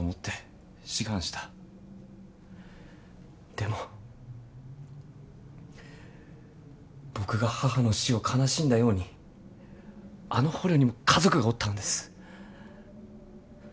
でも僕が母の死を悲しんだようにあの捕虜にも家族がおったんです。